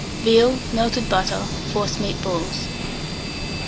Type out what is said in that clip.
Veal, melted butter, forcemeat balls.